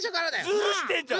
ズルしてんじゃん！